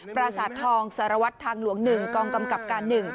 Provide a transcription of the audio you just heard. ปราสาททองสารวัตรทางหลวง๑กองกำกับการ๑